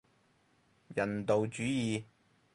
人道主義